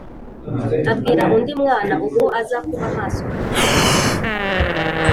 Abwira undi mwana uko aza kuba maso akifuruza.